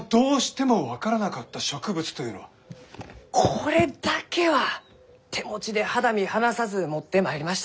これだけは手持ちで肌身離さず持ってまいりました！